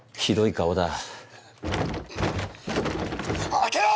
開けろ！